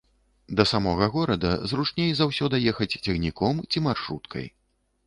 Да самога горада зручней за ўсё даехаць цягніком ці маршруткай.